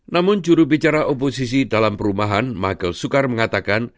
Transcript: namun jurubicara oposisi dalam perumahan magel sukar mengatakan